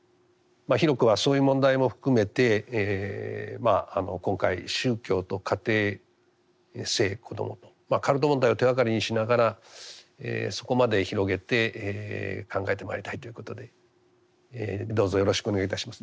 広くはそういう問題も含めて今回宗教と家庭・性・子どもとカルト問題を手がかりにしながらそこまで広げて考えてまいりたいということでどうぞよろしくお願いいたします。